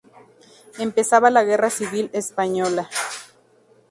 Empezaba la Guerra Civil Española.